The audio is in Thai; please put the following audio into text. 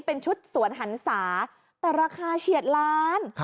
เป็นชุดสวนหันศาแต่ราคาเฉียดล้าน